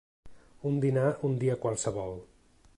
Un dinar un dia qualsevol